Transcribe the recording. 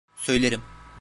Söylerim.